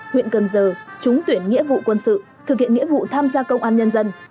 huyện cần giờ trúng tuyển nghĩa vụ quân sự thực hiện nghĩa vụ tham gia công an nhân dân